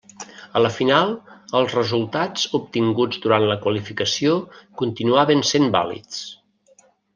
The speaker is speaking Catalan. A la final els resultats obtinguts durant la qualificació continuaven sent vàlids.